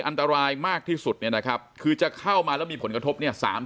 อันตรายมากที่สุดเนี่ยนะครับคือจะเข้ามาแล้วมีผลกระทบเนี่ย